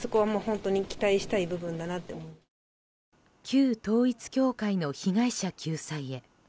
旧統一教会の被害者救済へ。